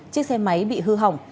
chiếc xe máy bị hư hỏng